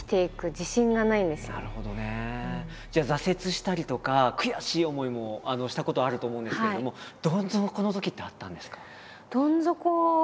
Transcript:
じゃあ挫折したりとか悔しい思いもしたことあると思うんですけれどもどん底のときってあったんですか？